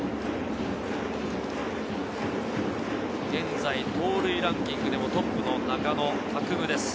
現在、盗塁ランキングでもトップの中野拓夢です。